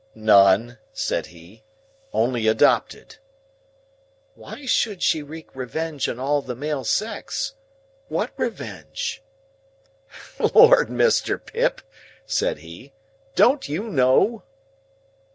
"None," said he. "Only adopted." "Why should she wreak revenge on all the male sex? What revenge?" "Lord, Mr. Pip!" said he. "Don't you know?"